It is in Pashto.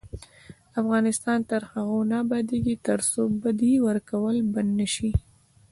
افغانستان تر هغو نه ابادیږي، ترڅو بدی ورکول بند نشي.